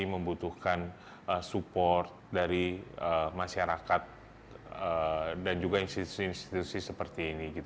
membutuhkan support dari masyarakat dan juga institusi institusi seperti ini